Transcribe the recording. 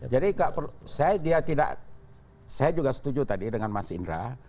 jadi saya juga setuju tadi dengan mas indra